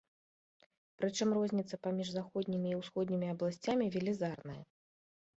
Прычым розніца паміж заходнімі і ўсходнімі абласцямі велізарная.